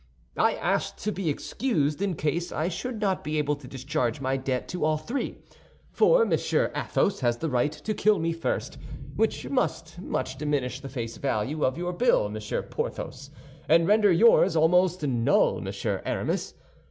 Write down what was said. "I asked to be excused in case I should not be able to discharge my debt to all three; for Monsieur Athos has the right to kill me first, which must much diminish the face value of your bill, Monsieur Porthos, and render yours almost null, Monsieur Aramis.